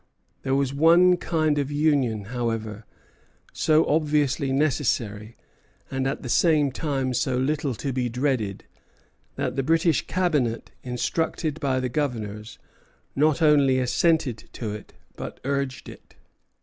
There was one kind of union, however, so obviously necessary, and at the same time so little to be dreaded, that the British Cabinet, instructed by the governors, not only assented to it, but urged it.